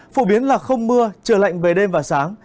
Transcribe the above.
phổ biến là không mưa trời lạnh về đêm và sáng